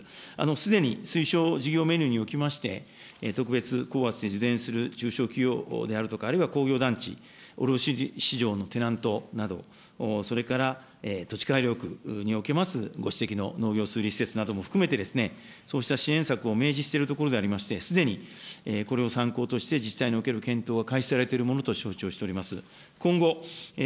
すでに推奨事業メニューにおきまして、特別高圧を受電する中小企業であるとか、あるいは工業団地、卸売り市場のテナントなど、それから土地改良区におきますご指摘の農業施設なども含めてですね、そうした支援策を明示しているところでありまして、すでにこれを参考として自治体における検討は開始されていると承知をしております。